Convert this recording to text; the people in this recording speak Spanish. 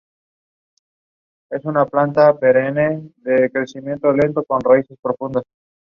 Otros cifran en al menos mil quinientos infantes y un centenar de jinetes pastusos.